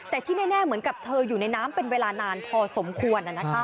แต่ที่แน่เหมือนกับเธออยู่ในน้ำเป็นเวลานานพอสมควร